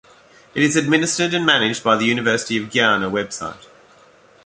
It is administered and managed by the University of Guyana website.